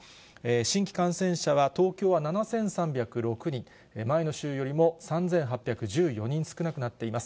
新規感染者は、東京は７３０６人、前の週よりも３８１４人少なくなっています。